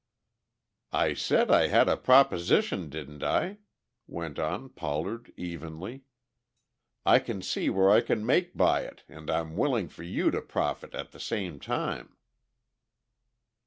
"I said I had a proposition, didn't I?" went on Pollard evenly. "I see where I can make by it, and I'm willing for you to profit at the same time."